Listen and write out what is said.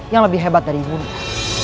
yang lebih hebat dari ibunya